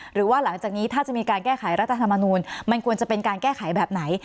หรือว่าหลังจากนี้ถ้าจะมีการแก้ไขรัฐธรรมนูลมันควรจะเป็นการแก้ไขแบบไหน